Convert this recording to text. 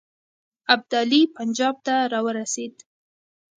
ابدالي پنجاب ته را ورسېد.